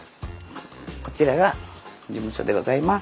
こちらが事務所でございます。